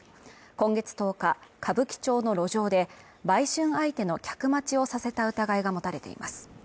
今月１０日歌舞伎町の路上で、売春相手の客待ちをさせた疑いが持たれています。